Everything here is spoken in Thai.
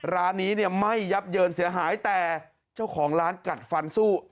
ร้านนี้เนี่ยไม่ยับเยินเสียหายแต่เจ้าของร้านกัดฟันสู้